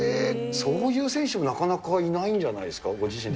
そういう選手もなかなかいないんじゃないですか、ご自身で。